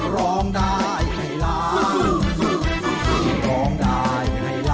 ร้องได้ให้ล้าน